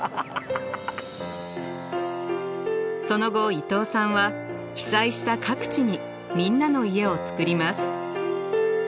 その後伊東さんは被災した各地にみんなの家を作ります。